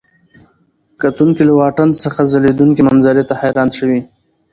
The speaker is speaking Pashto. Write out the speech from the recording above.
کتونکي له واټن څخه ځلېدونکي منظرې ته حیران شوي.